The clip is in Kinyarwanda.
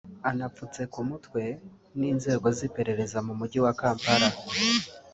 anapfutse ku mutwe n’inzego z’iperereza mu Mujyi wa Kampala